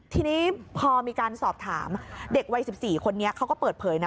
ทีนี้พอมีการสอบถามเด็กวัย๑๔คนนี้เขาก็เปิดเผยนะ